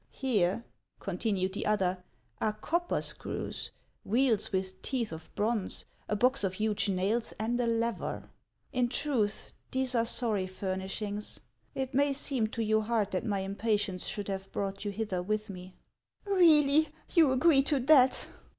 " Here," continued the other, " are copper screws, wheels with teeth of bronze, a box of huge nails, and a lever. In HANS OF ICELAND. 139 truth, these are sorry furnishings. It may seem to you hard that my impatience should have brought you hither with rue." " Really, you agree to that